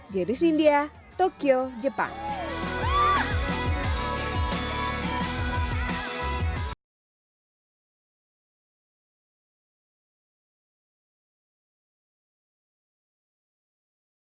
jangan lupa like share dan subscribe ya